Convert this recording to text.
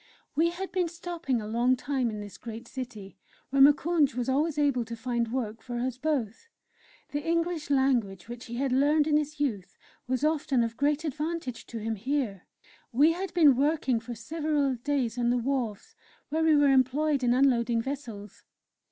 We had been stopping a long time in this great city, where Moukounj was always able to find work for us both. The English language which he had learned in his youth was often of great advantage to him here. We had been working for several days on the wharves, where we were employed in unloading vessels.